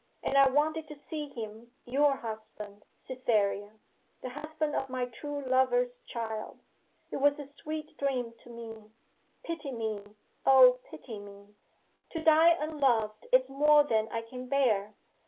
And I wanted to see him your husband, Cytherea! the husband of my true lover's child. It was a sweet dream to me.... Pity me O, pity me! To die unloved is more than I can bear!